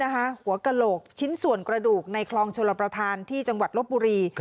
หัวกระโหลกชิ้นส่วนกระดูกในคลองชลประธานที่จังหวัดลบบุรี